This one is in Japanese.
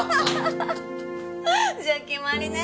じゃあ決まりね！